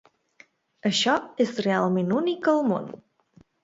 Això és realment únic al món.